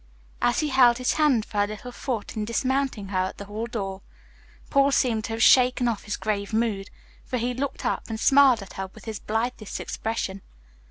As he held his hand for her little foot in dismounting her at the hall door, Paul seemed to have shaken off his grave mood, for he looked up and smiled at her with his blithest expression.